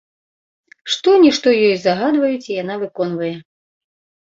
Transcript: Што-нішто ёй загадваюць, і яна выконвае.